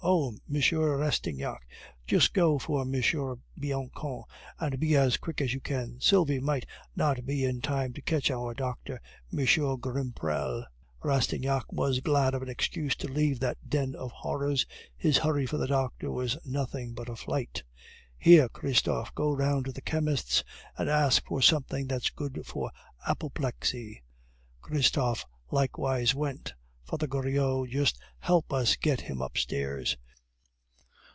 "Oh, M. Rastignac, just go for M. Bianchon, and be as quick as you can; Sylvie might not be in time to catch our doctor, M. Grimprel." Rastignac was glad of an excuse to leave that den of horrors, his hurry for the doctor was nothing but a flight. "Here, Christophe, go round to the chemist's and ask for something that's good for the apoplexy." Christophe likewise went. "Father Goriot, just help us to get him upstairs."